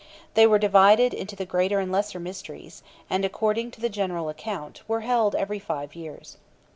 They were divided into the Greater and Lesser Mysteries, and, according to the general account, were held every five years.